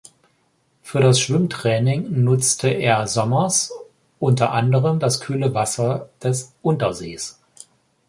Für das Schwimmtraining nutzte er sommers unter anderem das kühle Wasser des Untersees.